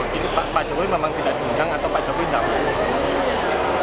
jadi pak jokowi memang tidak diundang atau pak jokowi nggak